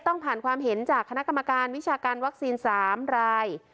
ต้องผ่านความเห็นจากคณะกรรมการวิชาการวัคซีน๓ราย